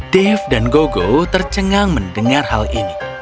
dave dan gogo tercengang mendengar hal ini